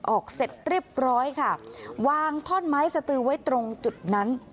ออกเสร็จเรียบร้อยค่ะวางท่อนไม้สตือไว้ตรงจุดนั้น